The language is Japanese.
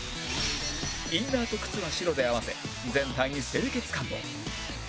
インナーと靴は白で合わせ全体に清潔感を